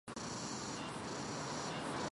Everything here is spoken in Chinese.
讷伊莱旺丹。